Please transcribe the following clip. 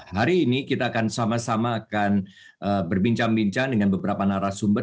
hari ini kita akan sama sama akan berbincang bincang dengan beberapa narasumber